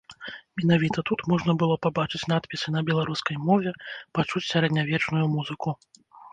Менавіта тут можна было пабачыць надпісы на беларускай мове, пачуць сярэднявечную музыку.